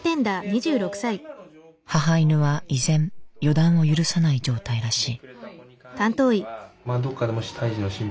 母犬は依然予断を許さない状態らしい。